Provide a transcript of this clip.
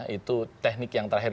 itu teknik yang terakhir